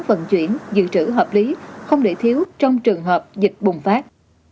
vận chuyển dự trữ hợp lý không để thiếu trong trường hợp dịch bùng phát